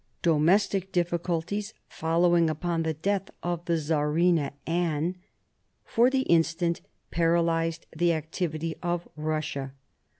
Domestic difficulties, following upon the death of the Czarina Anne, for the instant paralysed the activity of Russia.